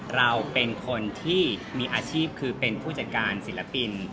เราเป็นคนที่มีอาชีพคือเป็นผู้จัดการศิลปิน